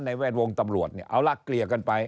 แวดวงตำรวจเนี่ยเอาละเกลี่ยกันไป